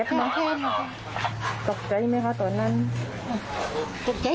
ต้องกลับมาตามเจ้าเจ็บชอบเหมือนคนปริญญาว่าเป็นใคร